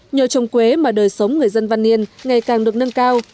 nhờ trồng quế mà đời sống người dân văn yên ngày càng được nâng cao